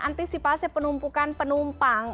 antisipasi penumpukan penumpang